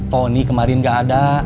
tony kemarin gak ada